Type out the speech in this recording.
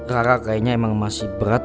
karena kayaknya emang masih berat